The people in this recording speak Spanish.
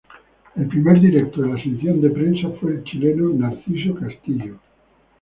El primer director de la sección de Prensa fue el chileno Narciso Castillo.